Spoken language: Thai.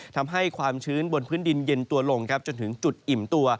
ทำให้ความชื้นบนพื้นดินเย็นตัวลงจนถึงจุดอิ่มตัว